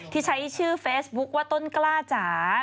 ที่ใช้ชื่อเฟซบุ๊คว่าต้นกล้าจ๋า